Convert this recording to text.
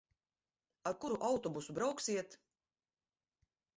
Ar kuru autobusu brauksiet?